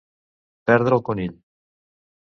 Perdre el conill.